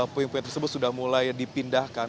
puing puing tersebut sudah mulai dipindahkan